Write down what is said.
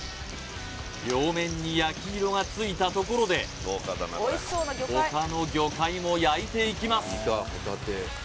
両面に焼き色がついたところでほかの魚介も焼いていきます